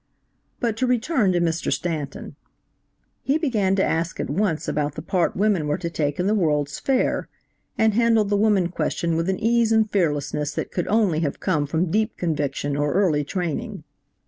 But to return to Mr. Stanton. He began to ask at once about the part women were to take in the World's Fair and handled the woman question with an ease and fearlessness that could only have come from deep conviction or early training.